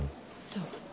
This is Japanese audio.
そう。